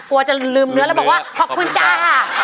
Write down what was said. กลัวจะลืมเนื้อแล้วบอกว่าขอบคุณจ้า